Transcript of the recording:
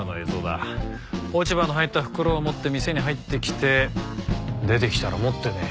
落ち葉の入った袋を持って店に入ってきて出てきたら持ってねえ。